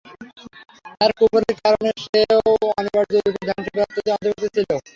তার কুফরীর কারণে সেও অনিবার্যরূপে ধ্বংসপ্রাপ্তদের অন্তর্ভুক্ত ছিল।